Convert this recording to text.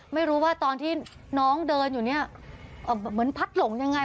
ไม่รู้ว่าตอนที่น้องเดินอยู่เนี่ยเหมือนพัดหลงยังไง